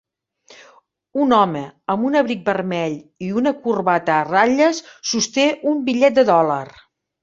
Un home amb un abric vermell i una corbata a ratlles sosté un bitllet de dòlar.